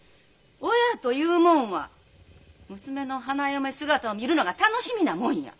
親というもんは娘の花嫁姿を見るのが楽しみなもんや。